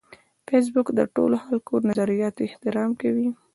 فېسبوک د ټولو خلکو د نظریاتو احترام کوي